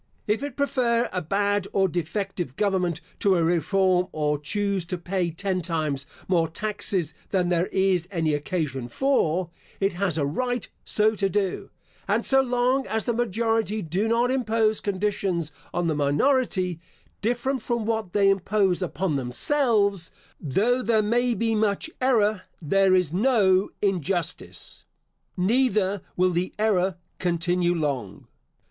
If it prefer a bad or defective government to a reform or choose to pay ten times more taxes than there is any occasion for, it has a right so to do; and so long as the majority do not impose conditions on the minority, different from what they impose upon themselves, though there may be much error, there is no injustice. Neither will the error continue long.